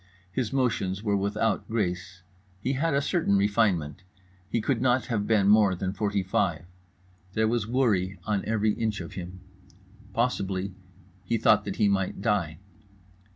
His motions were without grace. He had a certain refinement. He could not have been more than forty five. There was worry on every inch of him. Possibly he thought that he might die.